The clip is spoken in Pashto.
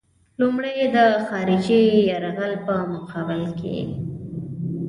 لومړی یې د خارجي یرغل په مقابل کې.